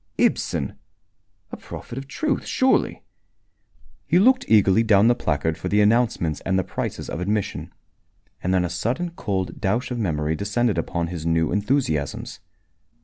Ibsen! A prophet of truth, surely! He looked eagerly down the placard for the announcements and the prices of admission. And then a sudden cold douche of memory descended upon his new enthusiasms.